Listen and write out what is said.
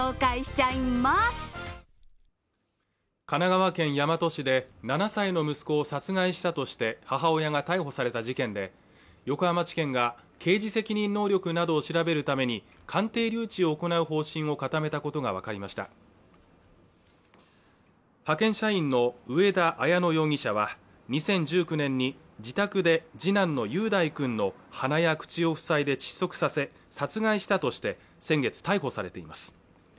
神奈川県大和市で７歳の息子を殺害したとして母親が逮捕された事件で横浜地検が刑事責任能力などを調べるために鑑定留置を行う方針を固めたことが分かりました派遣社員の上田綾乃容疑者は２０１９年に自宅で次男の雄大くんの鼻や口を塞いで窒息させ殺害したとして先月逮捕されています